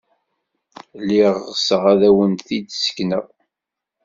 Lliɣ ɣseɣ ad awen-t-id-ssekneɣ.